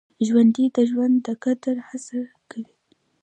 ژوندي د ژوند د قدر هڅه کوي